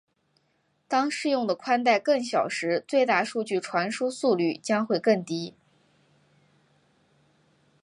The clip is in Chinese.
当适用的带宽更小时最大数据传输速率将会更低。